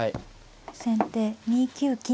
先手２九金。